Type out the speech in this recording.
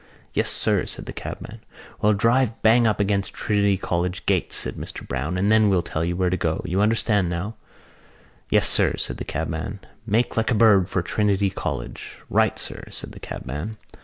"Yes, sir," said the cabman. "Well, drive bang up against Trinity College gates," said Mr Browne, "and then we'll tell you where to go. You understand now?" "Yes, sir," said the cabman. "Make like a bird for Trinity College." "Right, sir," said the cabman.